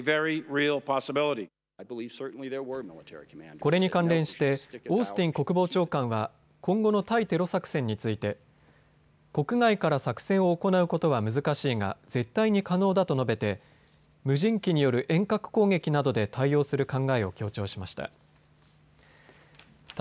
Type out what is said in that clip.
これに関連してオースティン国防長官は今後の対テロ作戦について国外から作戦を行うことは難しいが絶対に可能だと述べて無人機による遠隔攻撃などで対応する考えを強調しました。